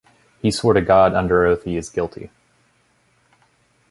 He swore to God under oath he is guilty.